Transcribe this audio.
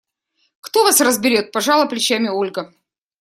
– Кто вас разберет! – пожала плечами Ольга.